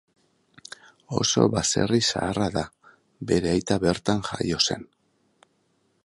Oso baserri zaharra da, bere aita bertan jaio zen.